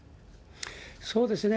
そうですね。